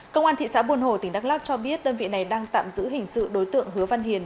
công an thị xã buôn hồ tỉnh đắk lắc cho biết đơn vị này đang tạm giữ hình sự đối tượng hứa văn hiền